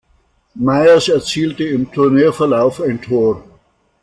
Mayers erzielte im Turnierverlauf ein Tor.